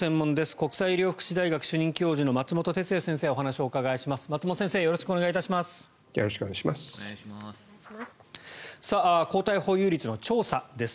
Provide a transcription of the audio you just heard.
国際医療福祉大学主任教授の松本哲哉さんにお話をお伺いします。